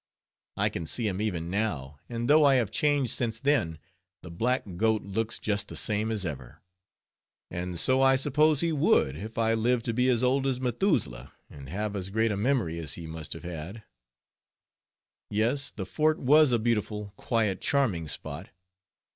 I can see him even now, and though I have changed since then, the black goat looks just the same as ever; and so I suppose he would, if I live to be as old as Methusaleh, and have as great a memory as he must have had. Yes, the fort was a beautiful, quiet, charming spot.